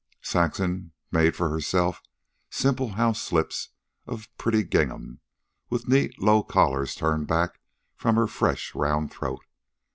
Saxon made for herself simple house slips of pretty gingham, with neat low collars turned back from her fresh round throat.